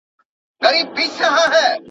که دي چیري په هنیداره کي سړی وو تېرایستلی `